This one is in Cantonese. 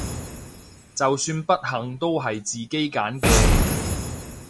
就算不幸都係自己揀嘅！